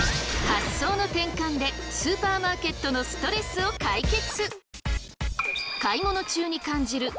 発想の転換でスーパーマーケットのストレスを解決！